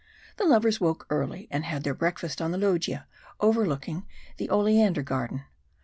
The lovers woke early, and had their breakfast on the loggia overlooking the oleander garden.